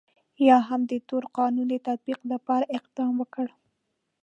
یا هم د تور قانون د تطبیق لپاره اقدام وکړ.